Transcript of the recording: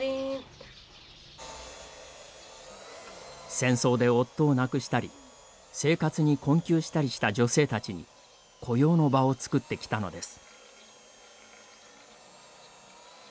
戦争で夫を亡くしたり生活に困窮したりした女性たちに雇用の場を作ってきたのです。